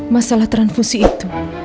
masalah transfusi itu